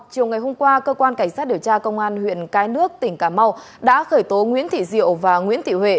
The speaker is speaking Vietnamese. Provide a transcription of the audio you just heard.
cảnh sát điều tra công an huyện cái nước tỉnh cà mau đã khởi tố nguyễn thị diệu và nguyễn thị huệ